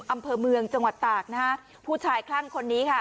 อำเภอเมืองจังหวัดตากนะฮะผู้ชายคลั่งคนนี้ค่ะ